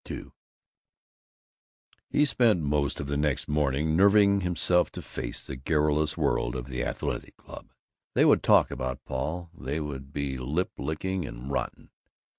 II He spent most of the next morning nerving himself to face the garrulous world of the Athletic Club. They would talk about Paul; they would be lip licking and rotten.